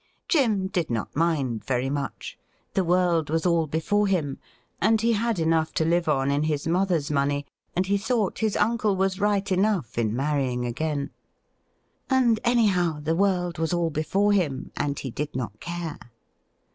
Jim did not mind very much. The world wa^ all before him, and he had enough to live on in his mother's money, and he thought his uncle was right enough in marrying again ; and, any how, the world was all before him, and he did not care.